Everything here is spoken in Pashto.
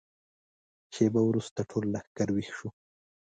شېبه وروسته ټول لښکر ويښ شو.